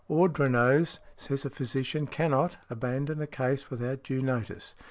Ordronaux says a physician cannot |74| abandon a case without due notice.